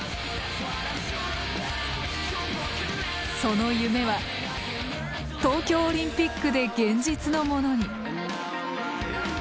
その夢は東京オリンピックで現実のものに。